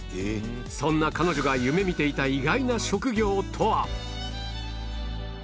そんな彼女が夢見ていた意外な職業とは？